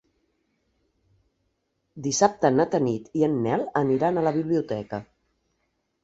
Dissabte na Tanit i en Nel aniran a la biblioteca.